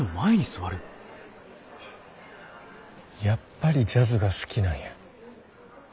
やっぱりジャズが好きなんや。